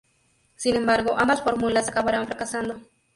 Sin embargo, ambas fórmulas acabarán fracasando.